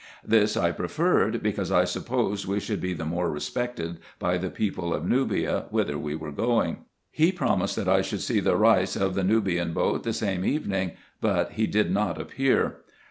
This I preferred, because I supposed we should be the more respected by the people of Nubia, whither we were going. He promised, that I should see the Reis of the Nubian boat the same evening, but he did not appear.